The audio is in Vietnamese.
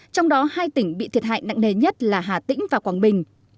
trong đó hai tỉnh bị thiệt hại nặng nề nhất là hà tĩnh và quảng bình